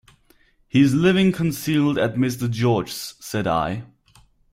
"He is living concealed at Mr. George's," said I.